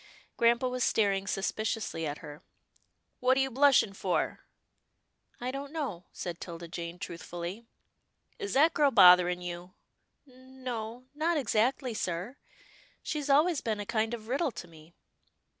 Grampa was staring suspiciously at her. " What are you blushing for?" " I don't know," said 'Tilda Jane truthfully. " Is that girl bothering you ?"" N no, not exactly, sir. She's always been a kind of riddle to me."